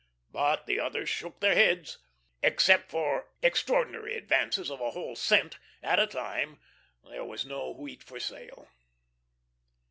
But the others shook their heads. Except on extraordinary advances of a whole cent at a time, there was no wheat for sale.